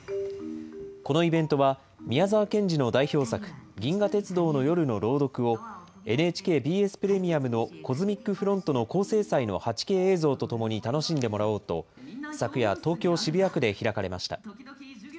このイベントは、宮沢賢治の代表作、銀河鉄道の夜の朗読を、ＮＨＫ・ＢＳプレミアムのコズミックフロントの高精細の８Ｋ映像とともに楽しんでもらおうと、昨夜、東京・渋谷区で開かれました。